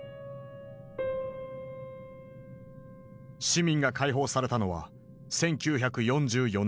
市民が解放されたのは１９４４年１月。